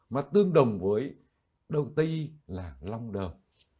mà tương đồng với đầu ti là long đờm